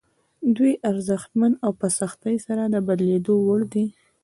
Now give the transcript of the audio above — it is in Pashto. دوی ارزښتمن او په سختۍ سره د بدلېدو وړ دي.